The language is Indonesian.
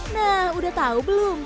nah udah tau belum